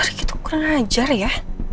wah itu kurang ajar ya